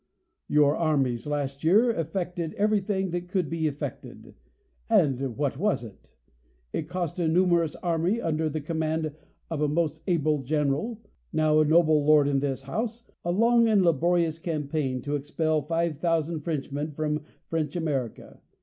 Your armies, last year, effected every thing that could be effected ; and what was it ? It cost a numerous army, under the command of a most able general, now a noble lord in this House, a long and laborious cam paign, to expel live thousand Frenchmen from French America.